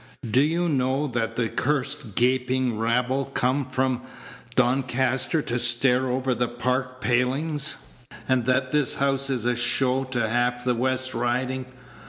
Do you know that the cursed gaping rabble come from Doncaster to stare over the Park palings, and that this house is a show to half the West Riding?